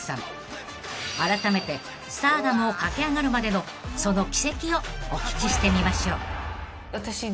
［あらためてスターダムを駆け上がるまでのその軌跡をお聞きしてみましょう］